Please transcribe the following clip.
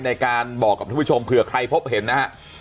ในการบอกกับทุกผู้ชมเผื่อใครพบเห็นนะฮะ